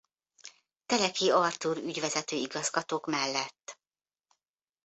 Teleki Artúr ügyvezető igazgatók mellett.